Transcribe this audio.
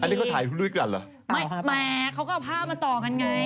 อันนี้เขาถ่ายด้วยกันเหรอไม่แหมเขาก็เอาผ้ามาต่อกันไง